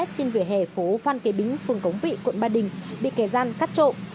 trên vỉa hè phố phan kế bính phường cống vị quận ba đình bị kẻ gian cắt trộm